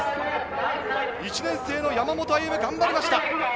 １年生の山本歩夢、頑張りました。